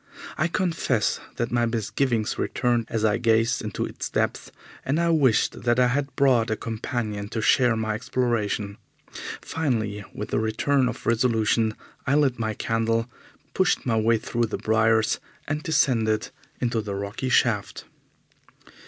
I confess that my misgivings returned as I gazed into its depths, and I wished that I had brought a companion to share my exploration. Finally, with a return of resolution, I lit my candle, pushed my way through the briars, and descended into the rocky shaft.